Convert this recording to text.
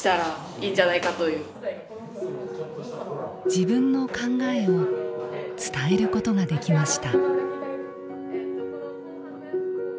自分の考えを伝えることができました。